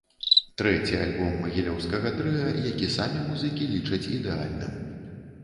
Трэці альбом магілёўскага трыа, які самі музыкі лічаць ідэальным.